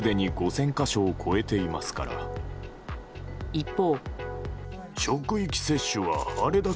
一方。